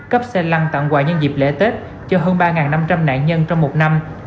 cấp xe lăn tặng quà nhân dịp lễ tết cho hơn ba năm trăm linh nạn nhân trong một năm